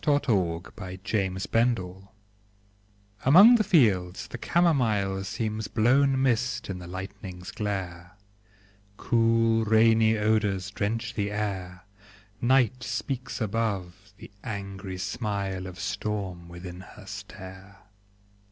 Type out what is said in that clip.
THE WINDOW ON THE HILL Among the fields the camomile Seems blown mist in the lightning's glare: Cool, rainy odors drench the air; Night speaks above; the angry smile Of storm within her stare.